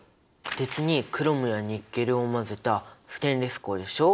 鉄にクロムやニッケルを混ぜたステンレス鋼でしょ。